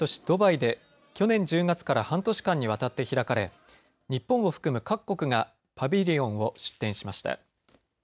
ドバイで去年１０月から半年間にわたって開かれ、日本を含む各国がパビリオンを出展しました。